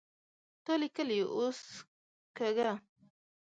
تا ليکلې اوس کږه